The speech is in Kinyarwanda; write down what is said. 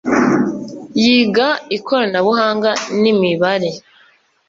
yiga ikoranabuhanga n’imibare